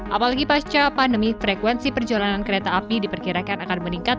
apalagi pasca pandemi frekuensi perjalanan kereta api diperkirakan akan meningkat